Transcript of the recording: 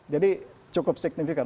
jadi cukup signifikan